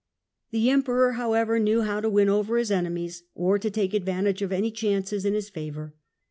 The Emperor, however, knew how to win over his enemies, or to take advantage of any chances in his favour.